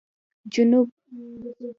جنوب